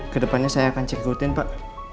kedepannya saya akan cek ikutin pak